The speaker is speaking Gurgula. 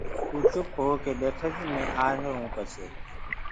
تو چُپ هوڪي ٻيٺج مي آهيروٚ پڇي